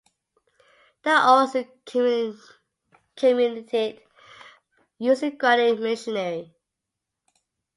The ore is comminuted using grinding machinery.